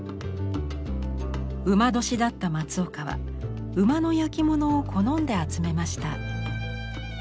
午年だった松岡は馬の焼き物を好んで集めました。